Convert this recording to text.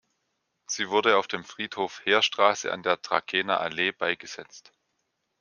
Sie wurde auf dem Friedhof Heerstraße an der Trakehner Allee beigesetzt.